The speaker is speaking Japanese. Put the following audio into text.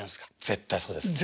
絶対そうですね。